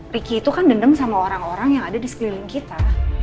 ricky itu kan dendam sama orang orang yang ada di sekeliling kita